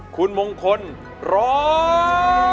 คุณมงคลร้อง